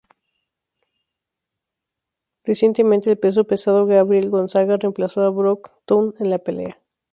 Recientemente el peso pesado Gabriel Gonzaga reemplazó a Broughton en la pelea.